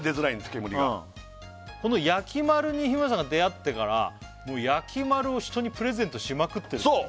煙がこのやきまるに日村さんが出会ってからやきまるを人にプレゼントしまくってるってそう！